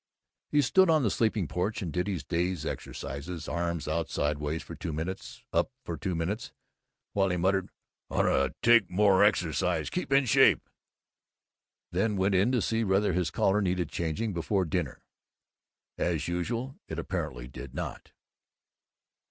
He stood on the sleeping porch and did his day's exercises: arms out sidewise for two minutes, up for two minutes, while he muttered, "Ought take more exercise; keep in shape;" then went in to see whether his collar needed changing before dinner. As usual it apparently did not.